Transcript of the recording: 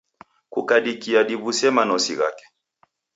Kukadikia diw'use manosi ghake.